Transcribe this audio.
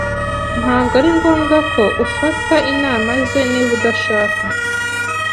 Ntabwo ari ngombwa ko ufata inama ze niba udashaka.